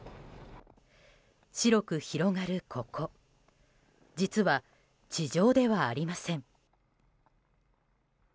白く広がるここ実は、地上ではありません。